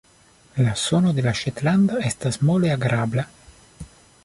La sono de la ŝetlanda estas mole agrabla.